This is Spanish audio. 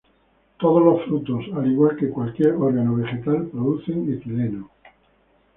Todos los frutos, al igual que cualquier órgano vegetal, producen etileno.